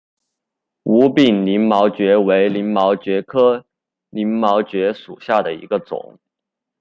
无柄鳞毛蕨为鳞毛蕨科鳞毛蕨属下的一个种。